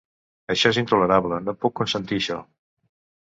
Això és intolerable, no puc consentir això.